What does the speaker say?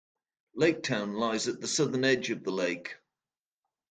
Laketown lies at the southern edge of the lake.